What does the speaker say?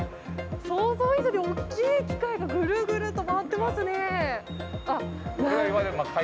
想像以上に大きい機械がぐるぐると回ってますね。